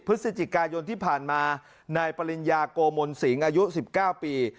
พฤศจิกายนที่ผ่านมานายปริญญาโกมนสิงอายุ๑๙ปี